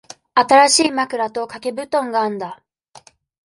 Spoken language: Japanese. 新しい枕と掛け布団があんだ。